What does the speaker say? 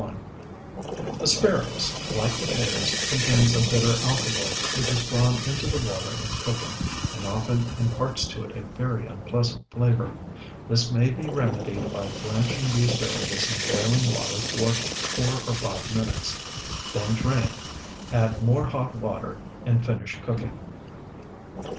1 Asparagus, like potatoes, contains a bitter alkaloid, which is drawn into the water in cooking, and often imparts to it a very unpleasant flavor. This may be remedied by blanching the asparagus in boiling water for four or five minutes. Then drain, and add more hot water, and finish cooking.